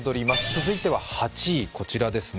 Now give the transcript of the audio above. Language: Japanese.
続いては８位、こちらですね。